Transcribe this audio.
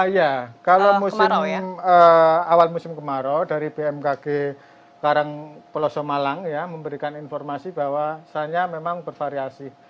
ya kalau musim awal musim kemarau dari bmkg karang peloso malang ya memberikan informasi bahwasannya memang bervariasi